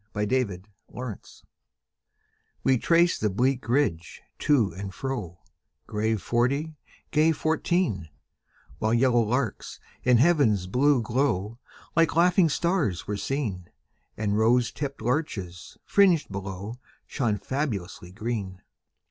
22 The Train of Life We traced the bleak ridge, to and fro, Grave forty, gay fourteen ; While yellow larks, in heaven's blue glow, Like laughing stars were seen, And rose tipp'd larches, fringed below, Shone fabulously green.